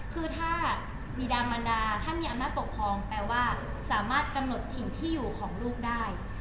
คือถ้ามีดามันดาถ้ามีอำนาจปกครองแปลว่าสามารถกำหนดถิ่นที่อยู่ของลูกได้